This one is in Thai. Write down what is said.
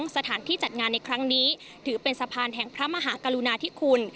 สถานที่จัดงานในครั้งนี้ถือเป็นสะพานแห่งพระมหากรุณาธิคุณ